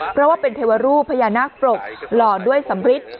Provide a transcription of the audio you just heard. เพราะว่าเป็นเทวรูปพญานาคปรกหล่อด้วยสำริท